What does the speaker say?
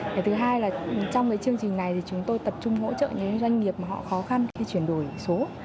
cái thứ hai là trong cái chương trình này thì chúng tôi tập trung hỗ trợ những doanh nghiệp mà họ khó khăn khi chuyển đổi số